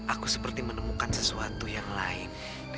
aku seperti menemukan sesuatu yang lain